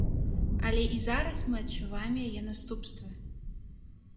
Але і зараз мы адчуваем яе наступствы.